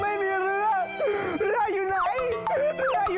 ไม่มีเรือเรืออยู่ไหนเรืออยู่ไหนกันครับเนี่ย